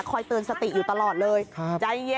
คอยเตินสติอยู่ตลอดเลย